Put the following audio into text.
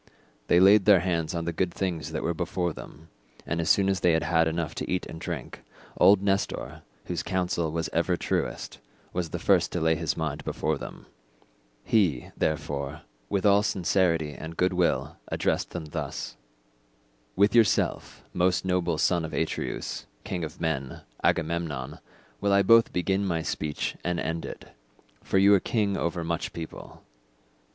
They laid their hands on the good things that were before them, and as soon as they had enough to eat and drink, old Nestor, whose counsel was ever truest, was the first to lay his mind before them. He, therefore, with all sincerity and goodwill addressed them thus. "With yourself, most noble son of Atreus, king of men, Agamemnon, will I both begin my speech and end it, for you are king over much people.